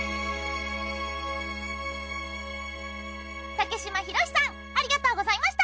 竹島宏さんありがとうございました。